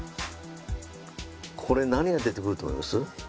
これ何が出てくると思います？